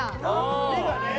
目がね。